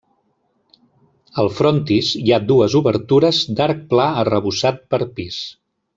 Al frontis hi ha dues obertures d'arc pla arrebossat per pis.